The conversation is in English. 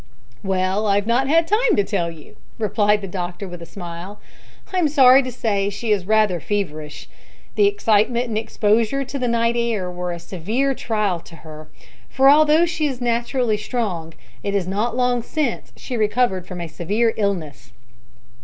"Well, I've not had time to tell you," replied the doctor, with a smile. "I'm sorry to say she is rather feverish; the excitement and exposure to the night air were a severe trial to her, for although she is naturally strong, it is not long since she recovered from a severe illness.